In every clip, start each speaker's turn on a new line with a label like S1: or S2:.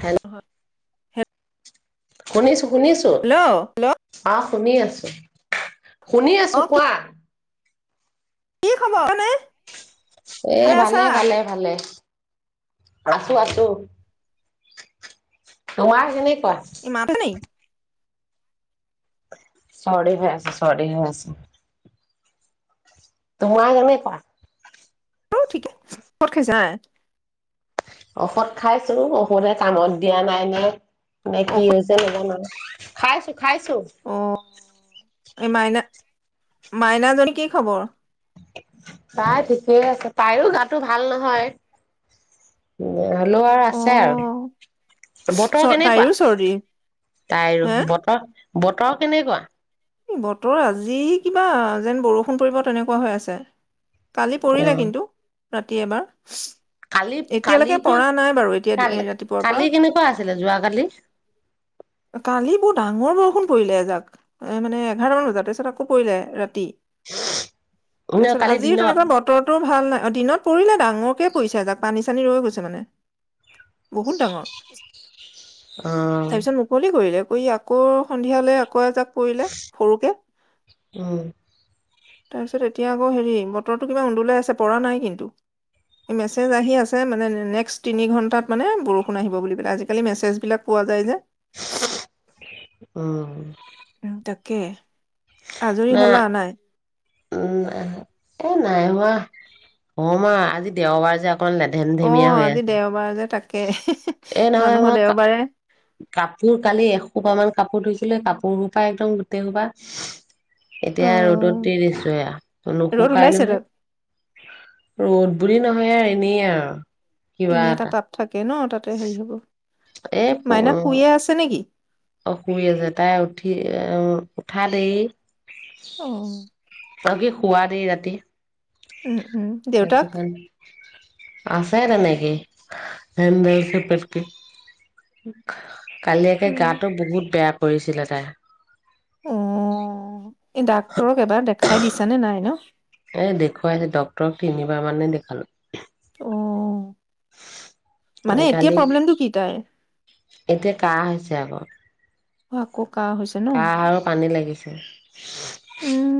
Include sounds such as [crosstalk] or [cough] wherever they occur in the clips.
S1: Hello
S2: হয়।
S1: [unintelligible] শুনিছো,
S2: hello hello
S1: আ শুনি আছো। শুনি
S2: অ
S1: আছো
S2: কি
S1: কোৱা।
S2: কি খবৰ? [unintelligible]
S1: এ ভালে ভালে ভালে। আছো আছো। তোমাৰ কেনে
S2: [unintelligible]
S1: চৰ্দি হৈ আছে, চৰ্দি হৈ আছে। তোমাৰ কেনেকুৱা?
S2: অ', ঠিকে [unintelligible] খাইছা।
S1: ঔষধ খাইছো, ঔষধে কামত দিয়া নাই নে নে কি
S2: ঔষধ
S1: হৈছে নাজানো আ খাইছো। খাইছোঁ।
S2: অ এই মাইনা, মাইনাজনীৰ কি খবৰ?
S1: তাই ঠিকেই আছে, তাইৰো গাটো ভাল নহয়। হ'লেও আৰ
S2: অ
S1: আছে আৰু। বতৰ
S2: চৰ
S1: কেনেকুৱা,
S2: তাইৰো চৰ্দি
S1: তাইৰ
S2: হে
S1: বতৰ বতৰ কেনেকুৱা?
S2: বতৰ আজি কিবা যেন বৰষুণ পৰিব তেনেকুৱা হৈ আছে। কালি
S1: অ
S2: পৰিলে কিন্তু। ৰাতি এবাৰ
S1: কালি
S2: এতিয়ালৈকে
S1: কালিতো
S2: পৰা নাই বাৰু এতিয়া
S1: কাল
S2: এই ৰাতিপুৱাৰ পৰা।
S1: কালি কেনেকুৱা আছিলে যোৱাকালি
S2: কালি বহুত ডাঙৰ বৰষুণ পৰিলে এজাক এ মানে এঘাৰমান বজাত তাৰপিছত আকৌ পৰিলে ৰাতি
S1: ন
S2: তাৰপিছত
S1: কালি
S2: আজিও
S1: দিনত
S2: তেনেকুৱা বতৰটোও ভাল নাই দিনত পৰিলে ডাঙৰকে পৰিছে এজাক পানী চানী ৰৈ গৈছে মানে বহুত ডাঙৰ
S1: অ
S2: তাৰপিছত মুকলি কৰিলে কৰি আকৌ সন্ধিয়ালৈ আকৌ এজাক কৰিলে সৰুকে
S1: উম
S2: তাৰপিছত এতিয়া আকৌ হেৰি বতৰটো কিবা উন্দলাই আছে পৰা নাই কিন্তু মেছেজ আহি আছে মানে নেক্সট তিনি ঘণ্টাত মানে বৰষুণ আহিব বুলি পেলাই আজিকালি মেছেজবিলাক পোৱা যায় যে
S1: উমহ
S2: একে আজৰি হলা নাই
S1: উম এ নাই হোৱা হমা আজি দেওবাৰ যে অকণ লেধেম-ধেমীয়া হৈ আছে
S2: কে হে হি
S1: এ নহয়
S2: মানুহৰ
S1: মই
S2: দেওবাৰে
S1: কাপোৰ কালি এসোপা মান কাপোৰ ধুইছিলে কাপোৰ সোপা একদম গোটেই সোপা
S2: অ
S1: এতিয়া ৰ'দত দি দিছো এয়া
S2: ৰ'দ
S1: নুসুকাই
S2: ওলাইছে
S1: নহয়
S2: তাত
S1: ৰ'দ বুলি নহয় আৰু এনেই আৰু
S2: এনেই এটা তাপ থাকে ন তাতে হেৰি হ'ব
S1: এ
S2: মাইনা শুইয়ে আছে নেকি
S1: অ শুই আছে তাই উঠি এ উঠা দেৰি
S2: অ
S1: অ কি শুৱা দেই ৰাতি
S2: উম উম
S1: সেইটো
S2: দেউতাক
S1: কাৰণে আছে তেনেকেই কালি একে
S2: উম,
S1: গাটো বহুত বেয়া কৰিছিলে তাই
S2: উঅ এই ডাক্তৰক এবাৰ দেখাই দিছা নে নাই ন
S1: এ দেখুৱালো ডক্টৰক তিনিবাৰ মানে দেখালো
S2: অ
S1: উম,
S2: মানে
S1: কালি
S2: এতিয়া প্ৰব্লেমটো কি তাইৰ?
S1: এতিয়া কাহ হৈছে আকৌ।
S2: অ' কওক
S1: কাহ আৰু পানী লাগি [inaudible]
S2: উম,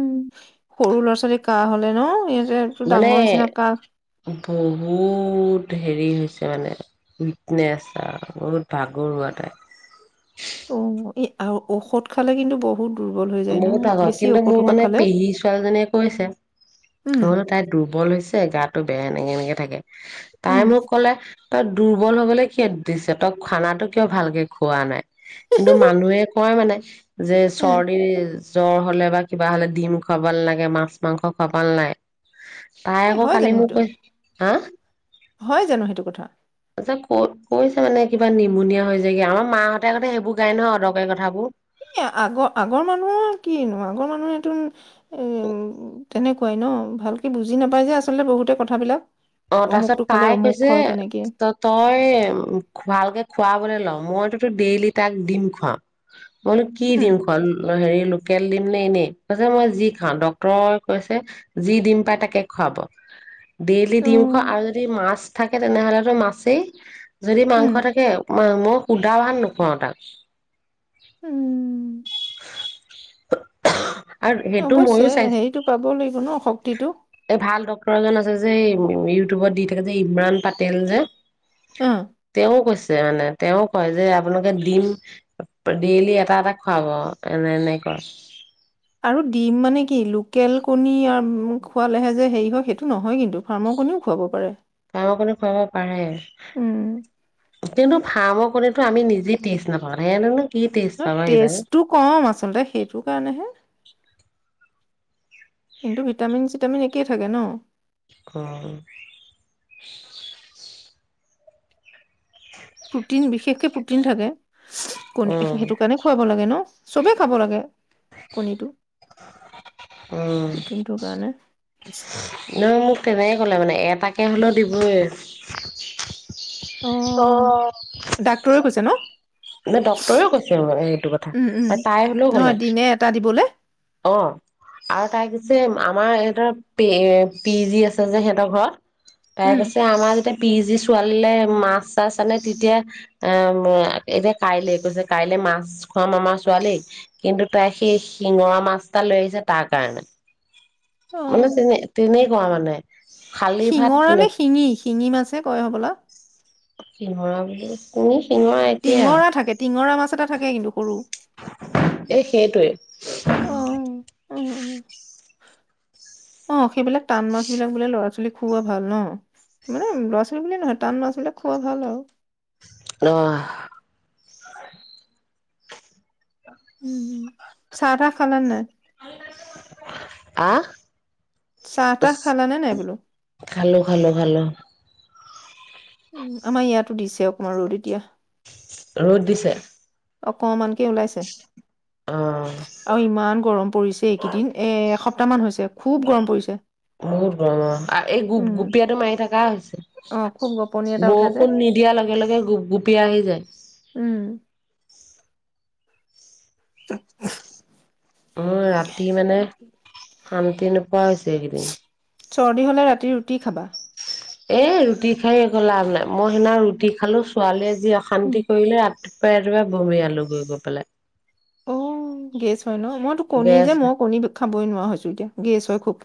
S2: সৰু ল'ৰা ছোৱালী কাহ হলে ন এই
S1: মানে বহুত হেৰি হৈছে মানে -উইকনেছ আৰু বহুত ভাগৰুৱা তাই।
S2: অ এই আৰু ঔষধ খালে কিন্তু বহুত দুৰ্বল হৈ যায় ন?
S1: বহুত আগৰ
S2: বেছি
S1: কিন্তু
S2: ঔষধ
S1: মোৰ
S2: সোপা
S1: মানে
S2: খালে।
S1: পেহী ছোৱালীজনীয়ে
S2: উম,
S1: কৈছে [unintelligible] তাই দুৰ্বল হৈছে গাটো বেয়া এনেকে এনেকে থাকে। তাই
S2: উম,
S1: মোক কলে তই দুৰ্বল হবলে কিয় দিছে তই খানাটো কিয় ভালকে খোৱা নাই কিন্তু মানুহে কয় মানে যে
S2: এ,
S1: চৰ জ্বৰ হলে বা কিবা হ'লে ডিম খোৱাব নালাগে মাছ মাংস খোৱাব নালাগে। তাই
S2: এই
S1: আকৌ
S2: হয়
S1: কালি
S2: জানো
S1: মোক
S2: সেইটো?
S1: কৈছে হা?
S2: হয় জানো সেইটো কথা?
S1: ক কৈছে মানে কিবা নিউম'নিয়া হৈ যায়গৈ আমাৰ মাহঁতে আগতে সেইবোৰ গাই নহয় অদৰকাৰী কথাবোৰ
S2: এ আগৰ আগৰ মানুহৰ কিনো আগৰ মানুহে তো এ তেনেকুৱাই ন ভালকে বুজি নাপাই যে আচলতে বহুতে কথাবিলাক।
S1: অ' তাৰ
S2: অমুকটো
S1: পিছত
S2: খালে
S1: তাই
S2: অমুক
S1: কৈছে
S2: হয় তেনেকে
S1: ত তই ভালকে খুৱাবলে ল। মইতোতো ডেইলি তাক দিম খোৱাও মইনো কি
S2: উম
S1: দিম খোৱা হেৰি লোকেল দিম নে এনেই মই যি খাও দাক্টৰে কৈছে যি দিম পাই তাকেই খোৱাব দেইলি দিম খোৱা
S2: উম
S1: আৰু যদি মাছ থাকে তেনেহলেতো মাছেই যদি মাংস থাকে [unintelligible] সুদা ভাত নোখোৱাওঁ তাক।
S2: উম
S1: [inaudible] আৰু সেইটো
S2: অৱশ্যে
S1: ময়ো চাইছো
S2: হেৰিটো পাব লাগিব ন শক্তিটো
S1: এই ভাল ডক্তৰ এজন আছে যে উম', -ইউটিউবত দি থাকে যে ইমৰান পাটেল যে,
S2: অ
S1: '- তেওঁ কৈছে। মানে তেওঁ কয় যে আপোনালোকে দিম ডেইলি এটা এটা খুৱাব এনে এনেকোৱা‌
S2: আৰু ডিম মানে কি লোকেল কণী আৰু খোৱালেহে যে হেৰি হয় সেইটো নহয় কিন্তু ফাৰ্মৰ কণীও খুৱাব পাৰে
S1: ফাৰ্মৰ কণী খুৱাব পাৰে।
S2: উম
S1: কিন্তু ফাৰ্মৰ কণীটো আমি নিজেই টেস্ট নাপাওঁ সিহঁতে নো
S2: ন টেষ্টটো কম আচলতে সেইটো কাৰণেহে কিন্তু ভিটামিন-চিটামিন একেই থাকে ন।
S1: অ'
S2: প্ৰটিন বিশেষকে প্ৰটিন থাকে। কণী
S1: উম
S2: সেইটো কাৰণে খুৱাব লাগে ন। চবে খাব লাগে। কণীটো, প্ৰটিনটোৰ কাৰণে। ব [unintelligible]
S1: এওঁ মোক তেনেকে ক'লে মানে এটাকে হ'লেও দিবই।
S2: অ
S1: অ'
S2: অ [inaudible]
S1: নে ডক্টৰেও কৈছে, সেইটো কথা
S2: উম উম
S1: তাই হ'লেও
S2: নহয়
S1: কলে
S2: দিনে এটা দিবলে
S1: অ' আৰু তাই কি যে আমাৰ সিহঁতৰ পি, পি জি আছে যে সিহঁতৰ ঘৰত। তাই
S2: উম
S1: কৈছে আমাৰ যেতিয়া পি জি ছোৱালীলৈ মাছ-চাছ আনে তেতিয়া এ এতিয়া কাইলে কৈছে কাইলে মাছ খোৱাম আমাৰ ছোৱালীক। কিন্তু তাই সেই শিঙৰা মাছ এটা লৈ আহিছে তাৰ কাৰণে। অ' যেনে-তেনে খোলাৰ মানে। শালি ভাত
S2: শিঙৰা নে শিঙি। শিঙি মাছে কয় হব বলা।
S1: শিঙৰা বুলি কওঁ। তুমি? শিঙৰা
S2: টিঙৰা থাকে টিঙৰা মাছ এটা থাকে কিন্তু। সৰু
S1: এ সেইটোৱে। হ [unintelligible]
S2: অ অ অ' সেইবিলাক টান মাছ বিলাক বোলে ল'ৰা ছোৱালিক খুওৱা ভাল ন। মানে ল'ৰা ছোৱালী বুলিয়ে নহয় টান মাছ বিলাক খোৱা ভাল আৰু।
S1: [unintelligible]
S2: চাহ- তাহ খালা নাই?
S1: আ
S2: চাহ তাহ খালানে নাই বোলো?
S1: খালো খালো খালো।
S2: আমাৰ ইয়াত দিছে অকণমান ৰ'দো এতিয়া
S1: ৰ'দ দিছে
S2: অকমানকে ওলাইছে
S1: অ
S2: আৰু ইমান গৰম পৰিছে এইকেইদিন এস বৰ্তমান হৈছে খুব গৰম পৰিছে।
S1: বহুত গৰম আৰু এই গোপ
S2: উম
S1: গুপীয়াটো মাৰি থকা হৈছে
S2: অ খুব গপনি এটা উঠে যে।
S1: বৰষুণ নিদিয়াৰ লগে লগে গোপগুপিয় আহি যায়
S2: উম [inaudible]
S1: মোৰ ৰাতি মানে আতিন প হৈছে একেইদিন
S2: চৰ্দি হ'লে ৰাতি ৰুটি খাবা
S1: এ ৰুটি খাই গলা নে মই সেইদিনা ৰুটি খালো ছোৱালীয়ে, যি
S2: উম,
S1: অশান্তি কৰিলে ত পা ভূমিয়ালো গোগোপাল
S2: অ' গেছ হয় ন মইতো কণী যে
S1: গেছ
S2: মই কণী খাবই নোৱাৰা হৈছো এতিয়া গেছ হয় খুব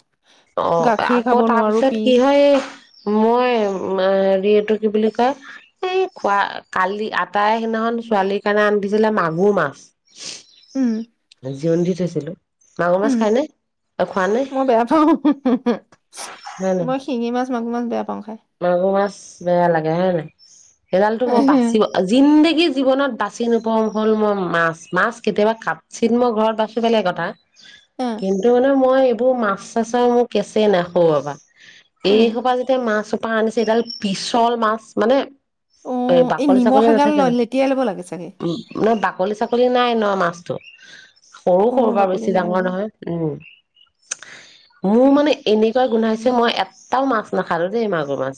S1: অ'
S2: গাখীৰ খাব
S1: আকৌ
S2: নোৱাৰো পি
S1: তাৰপিছত কি হয় এই মই হ এইটো কি বুলি কয় এই খোৱা কালি আটাই সিদিনাখন ছোৱালীৰ কাৰণে আন্ধছিলে মাগুৰ মাছ
S2: উম।
S1: জিনধিত আছিলো
S2: উম মই বেয়া পাও
S1: হয় নাই?
S2: মই শিঙি মাছ মাগুৰ মাছ বেয়া পা
S1: মাগুৰ মাছ বেয়া লাগে হে ন। সেইডালতো মই বাচিব,
S2: অ
S1: জিন্দেগী জীৱনত বাচি নপম হ'ল মই মাছ। মাছ কেতিয়াবা কাৎচিৎ মই ঘৰত বেছি পেলাই কটা কিন্তু মানে মই এইবোৰ মাছ-চাছৰ মিৰ কেঁচই নাই সৰুৰ পা।
S2: উম
S1: এইসোপা যেতিয়া মাছ পা আনিছে এডাল পিছল মাছ মানে
S2: অ
S1: এই বাকলি-চাকলি
S2: নিমখ এগাল
S1: নাথাকে ন?
S2: ল- লেটিয়াই ল'ব লাগে চাগে
S1: উ, [unintelligible] বাকলি-চাকলি নাই ন মাছটো। সৰু
S2: অ
S1: সৰু বাৰু
S2: বাকলি
S1: বেছি
S2: নাই
S1: ডাঙৰ
S2: অ।
S1: নহয়, উম। মোৰ মানে এনেকুৱা গোন্ধাইছে মই এটাও মাছ নাখালোঁ দেই মা উ মাছ।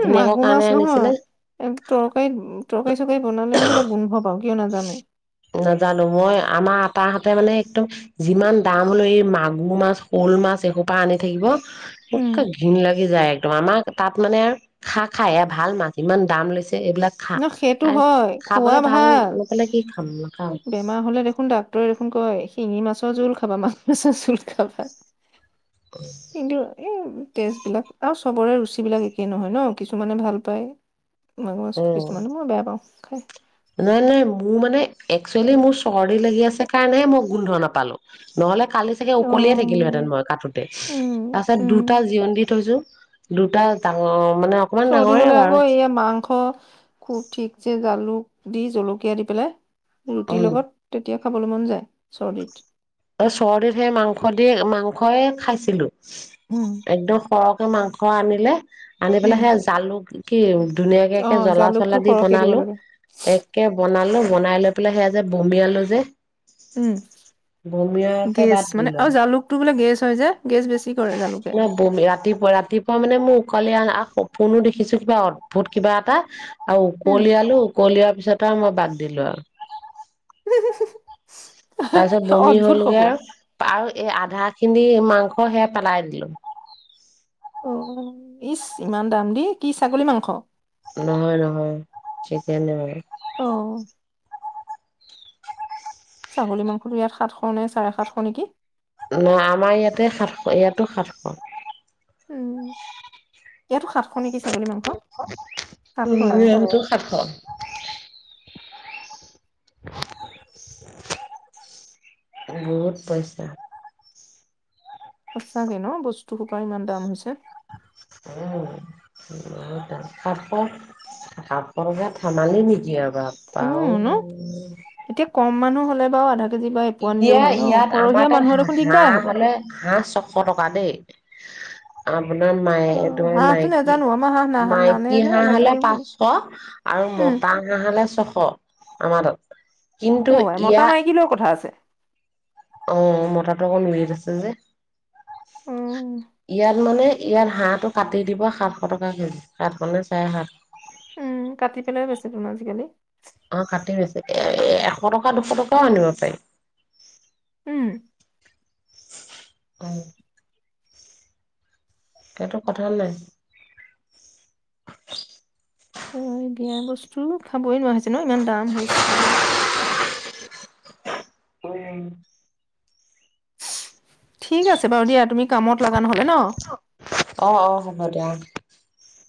S2: উ, মাগুৰ
S1: কাৰণে
S2: মাছ
S1: আনিছিলে
S2: নহয় তৰকাৰী তৰকাৰী-চৰকাৰী বনালে মই কিবা গোন্ধ পাওঁ। কিয় নাজানো।
S1: নাজানো মই, আমাৰ তাহ হাতে মানে একদম যিমান দাম হল এই মাগুৰ মাছ শ'ল মাছ এসোপা আনি থাকিব
S2: উম,
S1: একে ঘিন লাগি যায় একদম আমাক তাত মানে খা খাই ভাল মাছ ইমান দাম লৈছে এইবিলাক খা
S2: ন সেইটো হয় খোৱা
S1: খাবলে
S2: ভাল
S1: নাপালে কি খাম নাখাওঁ
S2: বেমাৰ হলে দেখোন ডাক্তৰে দেখোন কয় শিঙি মাছৰ জোল খাবা মাছ মাছৰ জোল খাবা কিন্তু এই তেজ বিলাক আৰু চবৰে ৰুচিবিলাক একেই নহয় ন কিছুমানে ভাল পায় ম মছ
S1: উম
S2: কিছুমানত মই বেয়া পাওঁ খ
S1: নাই নাই মোৰ মানে একচুৱেলি মোৰ চৰ্দি লাগি আছে কাৰণেহে মই গোন্ধ নাপালো নহলে কালি চাগে
S2: অ'।
S1: উকলিয়ে থাকিলো হেঁতেন মই কাোতে তাৰ
S2: উম,
S1: পাছত
S2: উম।
S1: দুটা জিৰণ দি থৈছো দুটা ত
S2: চৰ্দি হ'লে আকৌ এয়া মাংস খুব ঠিক যে জালুক দি জলকীয়া দি পেলাই ৰুটিৰ
S1: উম
S2: লগত তেতিয়া খাবলৈ মন যায় চৰ্দত
S1: চৰ্দত সেই মাংস দি মাংস খাইছিলো
S2: উম।
S1: একদম সৰক মাংস আনিলে আনি পেলাই
S2: উম,
S1: সে জালুক কি ধুনীয়াকাকে
S2: অ'
S1: জ্বলা
S2: জালুকটো
S1: চলা দি
S2: সৰহকে দিব
S1: বনালো
S2: লাগে।
S1: এককে বনালো মনাই লৈ পেলাই সেয়া যে বমিয়ালৈ যে
S2: উম
S1: বমিয়কে
S2: গেছ
S1: বাদ দি
S2: মানে
S1: লোৱা
S2: আৰু জালুকটো বোলে গেছ হয় যে গেছ বেছি কৰে জালুকে।
S1: ন বমি ৰাতিপুৱা ৰাতিপুৱা মানে মোক কালি ফোনো দেখিছো কিবা অদ্ভুত কিবা এটা আ
S2: উম,
S1: কোল আলো কোলিয়া পিছত ত মই বাদ দিলো আৰু তাৰ পিছত বমি
S2: অদ্ভুত
S1: হলগে
S2: সপোন
S1: আৰু এই আধা খিনি মাংস সেয়া পেলাই দিলো
S2: অ ইচ ইমান দাম দ কি ছাগলী মাংস
S1: নহয় নহয় ঠিকনে বু
S2: অ ছাগলী মাংসটো ইয়াত সাতশ নে চাৰে সাতশ নেকি?
S1: নই, আমাৰ ইয়াতে সাতশ, ইয়াতো সাতশ।
S2: উম। ইয়াতো সাত শ নেকি ছাগলী মাংস। সাত শই, অহ।
S1: মিজোৰামতো সাতশ বহুত পইচা
S2: সঁচাকে ন বস্তু সোপা ইমান দাম হৈছে
S1: উ সাতশ। সাতশ টকা ধেমালি নেকি আৰু বাপা
S2: উম,
S1: ঐ
S2: ন। অ'
S1: এতিয়া ইয়াত আমাৰ তাত হাঁ
S2: দেখোন দিগদাৰে
S1: হাঁহ
S2: হ'ব।
S1: হলে হাঁহ ছশ টকা দেই অ আপোনাৰ মাই
S2: অ'
S1: তোমাৰ
S2: হাঁহটো
S1: মাইকী
S2: নাজানো আমাৰ হাঁহ না নানে
S1: মাইকী
S2: যে
S1: হাঁহ হলে
S2: নাখায়ো বুলি
S1: পাঁচশ আৰু
S2: উম,
S1: মতা হাঁহ হলে ছশ আমাৰ কিন্তু
S2: অ' আই
S1: ইয়াত
S2: মতা-মাইকী লৈও কথা আছে
S1: অ মতটো অকণ উৱেইট আছে যে
S2: উম,
S1: ইয়াত মানে ইয়াত হাঁহটো কাটি দিব সাতশ টকা কেজি সাতশ নে চাৰে সাতশ
S2: উম কাটি পেলাই বেছি দিম আজিকালি
S1: অ' কাটে বেছি। এ এশ টকা দুশ টকাও আনিব পাৰি
S2: উম
S1: হয় সেটো কথা নাই
S2: অ' দিয়া বস্তু খাবই নোৱাৰিছে ন' ইমান দাম হৈছে।
S1: উম
S2: ঠিক আছে বাৰু দিয়া তুমি কামত লগা নহলে ন।
S1: অ অ হ'ব [inaudible]